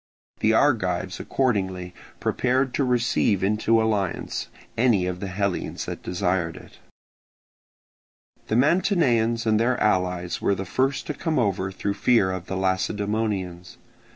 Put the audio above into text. The Argives accordingly prepared to receive into alliance any of the Hellenes that desired it. The Mantineans and their allies were the first to come over through fear of the Lacedaemonians.